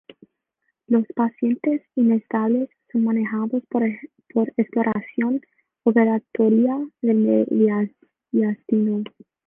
Los pacientes inestables son manejados por exploración operatoria del mediastino.